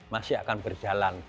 masih akan berjalan